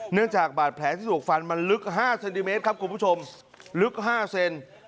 จากบาดแผลที่ถูกฟันมันลึก๕เซนติเมตรครับคุณผู้ชมลึก๕เซน